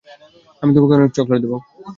আমি তোমাকে অনেক চকলেট দেবো।